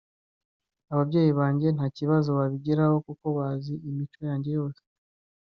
Ababyeyi banjye nta kibazo babigiraho kuko bazi imico yanjye yose